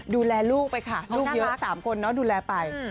ดูแลลูกไปค่ะลูกเยอะ๓คนดูแลไป